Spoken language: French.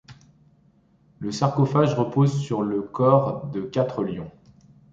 Le sarcophage repose sur le corps de quatre lions.